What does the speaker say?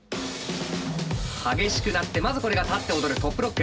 激しくなってまずこれが立って踊るトップロック。